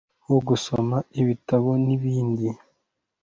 wo gusoma ibitabo n'ibindi